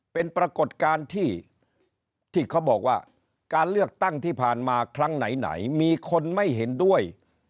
เป็นปรากฏการณ์ที่เขาบอกว่าการเลือกตั้งที่ผ่านมาครั้งไหนมีคนไม่เห็นด้วย